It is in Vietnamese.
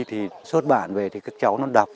thì xuất bản về thì các cháu nó đọc